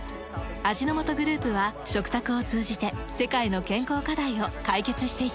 味の素グループは食卓を通じて世界の健康課題を解決していきます。